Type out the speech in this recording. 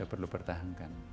kita perlu pertahankan